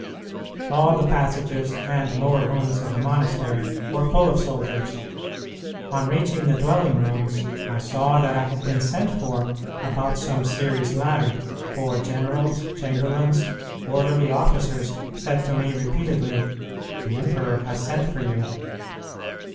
All the passages and lower rooms of the monastery were full of soldiers. On reaching the dwelling rooms, I saw that I had been sent for about some serious matter, for generals, chamberlains, orderly officers, said to me repeatedly, "The emperor has sent for you."